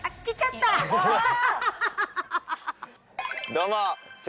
どうも７